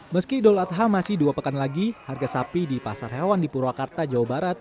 meski idul adha masih dua pekan lagi harga sapi di pasar hewan di purwakarta jawa barat